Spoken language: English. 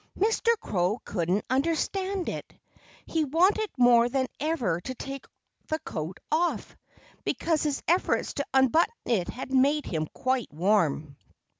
Mr. Crow couldn't understand it. He wanted more than ever to take the coat off, because his efforts to unbutton it had made him quite warm.